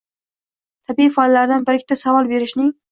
tabiiy fanlardan bir-ikkita savol berishning